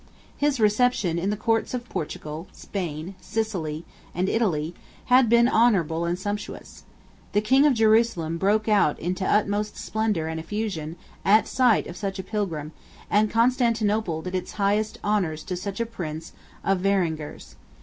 His reception in the Courts of Portugal, Spain, Sicily, Italy, had been honorable and sumptuous. The King of Jerusalem broke out into utmost splendor and effusion at sight of such a pilgrim; and Constantinople did its highest honors to such a Prince of Vaeringers.